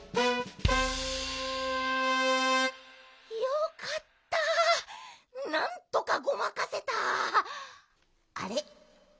よかったなんとかごまかせた。